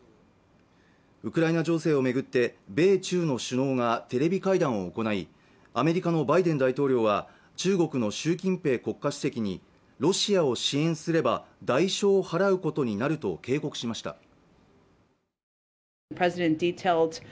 ウクライナ情勢をめぐって米中の首脳がテレビ会談を行いアメリカのバイデン大統領は中国の習近平国家主席にロシアを支援すれば代償を払うことになると警告しました